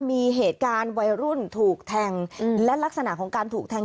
มีเหตุการณ์วัยรุ่นถูกแทงและลักษณะของการถูกแทง